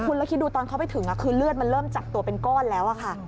คุณแล้วคิดดูตอนเขาไปถึงคือเลือดมันเริ่มจับตัวเป็นก้อนแล้วค่ะ